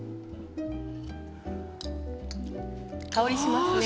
香りしますね。